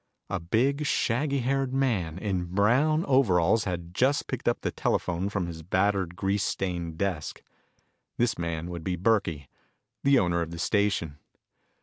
A big, shaggy haired man in brown overalls had just picked up the telephone from his battered, grease stained desk. This man would be Burkey, the owner of the station.